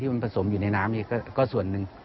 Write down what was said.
มันผสมอยู่ในน้ำนี่ก็ส่วนหนึ่ง